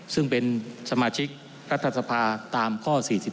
ซึ่งเป็นสมาชิกรัฐสภาตามข้อ๔๔